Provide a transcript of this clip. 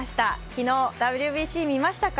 昨日、ＷＢＣ見ましたか？